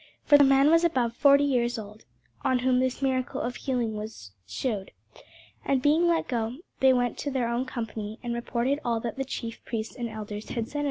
For the man was above forty years old, on whom this miracle of healing was shewed. And being let go, they went to their own company, and reported all that the chief priests and elders had said unto them.